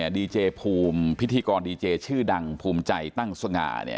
ดีเจภูมิพิธีกรดีเจชื่อดังภูมิใจตั้งสง่า